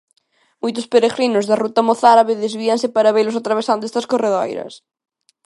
Moitos peregrinos da ruta mozárabe desvíanse para velos atravesando estas corredoiras.